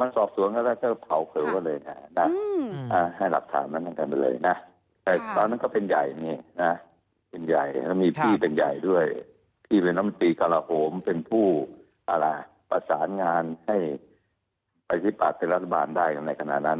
มีถึงขั้นเผาโผล่กันเลยเหรอคะทั้งสินเรียบที่สุดถ้าพบประสบส่วนก็ได้